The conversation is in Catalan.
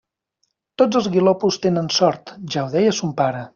Tots els guilopos tenen sort: ja ho deia son pare.